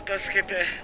助けて。